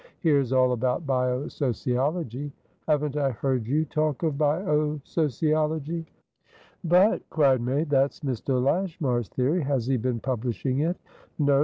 Here's all about bio sociology. Haven't I heard you talk of bio sociology?" "But," cried May, "that's Mr. Lashmar's theory! Has he been publishing it?" "No.